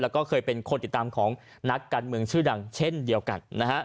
แล้วก็เคยเป็นคนติดตามของนักการเมืองชื่อดังเช่นเดียวกันนะฮะ